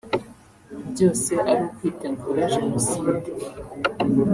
byose ari ukwitegura jenoside